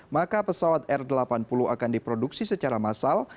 maka pesawat r delapan puluh akan diproduksi secara massal